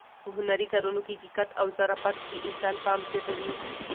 په هنري کارونو کې دقت او ظرافت د انسان پام زیاتوي.